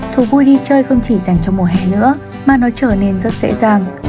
thú vui đi chơi không chỉ dành cho mùa hè nữa mà nó trở nên rất dễ dàng